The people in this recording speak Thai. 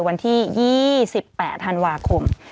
วันที่๒๘ธันวาคม